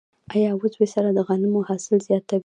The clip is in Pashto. آیا عضوي سره د غنمو حاصل زیاتوي؟